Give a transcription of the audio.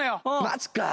マジか。